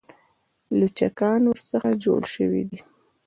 لوچکان ورڅخه جوړ شوي دي.